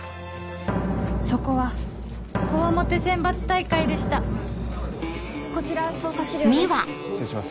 そこは強面選抜大会でしたこちら捜査資料です。